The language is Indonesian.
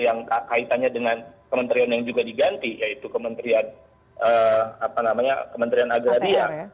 yang kaitannya dengan kementerian yang juga diganti yaitu kementerian agraria